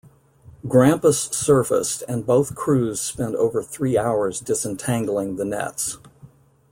"Grampus" surfaced and both crews spent over three hours disentangling the nets.